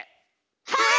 はい！